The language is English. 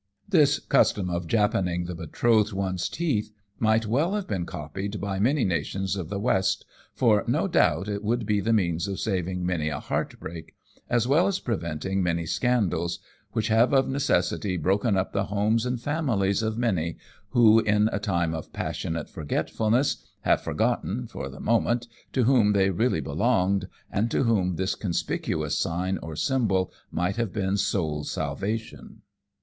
This custom of japanning the betrothed one's teeth might well have been copied by many nations of the West, for no doubt it would be the means of saving A SECOND VISIT TO NAGASAKI 193 many a heart break, as well as preventing many scandalsj which have of necessity broken up the homes and families of many who, in a time of passionate forgetfulnessj have forgotten for the moment to whom they really belonged, and to whom this conspicuous sign or symbol might have been souFs salvation.